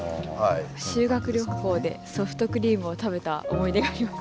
修学旅行でソフトクリームを食べた思い出があります。